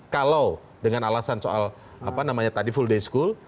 kalau dengan alasan soal apa namanya tadi full day school